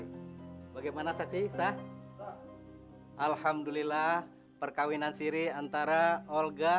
mas kawin tersebut tunai bagaimana saksi sah alhamdulillah perkawinan sirih antara olga